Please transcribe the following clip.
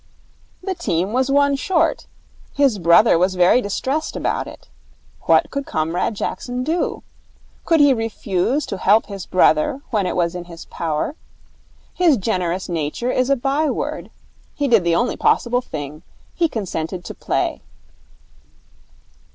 'The team was one short. His brother was very distressed about it. What could Comrade Jackson do? Could he refuse to help his brother when it was in his power? His generous nature is a byword. He did the only possible thing. He consented to play.'